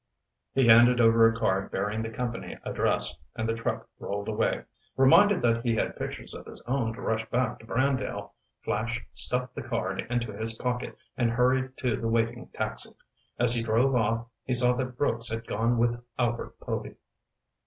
He handed over a card bearing the company address, and the truck rolled away. Reminded that he had pictures of his own to rush back to Brandale, Flash stuffed the card into his pocket, and hurried to the waiting taxi. As he drove off he saw that Brooks had gone with Albert Povy.